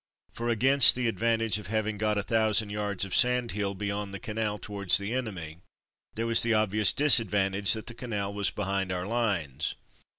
For, against the advantage of having got a thousand yards of sand hill beyond the canal towards the enemy, there was the obvious disadvantage that the canal was behind our lines.